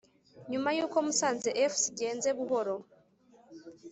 nyuma y’uko musanze fc igenze buhoro